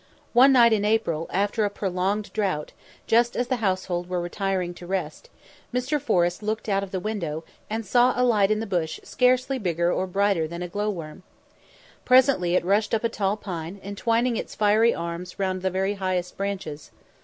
One night in April, after a prolonged drought, just as the household were retiring to rest, Mr. Forrest looked out of the window, and saw a light in the bush scarcely bigger or brighter than a glow worm. Presently it rushed up a tall pine, entwining its fiery arms round the very highest branches.